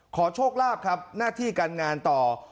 ขอโชคลาบครับนาธิการงานต่อ